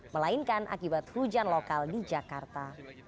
melainkan akibat hujan lokal di jakarta